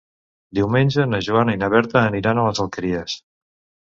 Diumenge na Joana i na Berta aniran a les Alqueries.